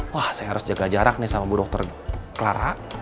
wah saya harus jaga jarak nih sama bu dokter clara